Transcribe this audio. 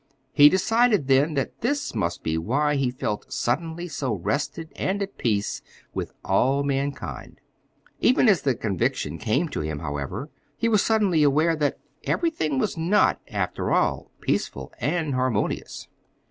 He decided then that this must be why he felt suddenly so rested and at peace with all mankind. Even as the conviction came to him, however he was suddenly aware that everything was not, after all, peaceful or harmonious.